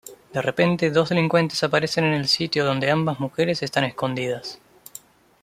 De repente dos delincuentes aparecen en el sitio donde ambas mujeres están escondidas.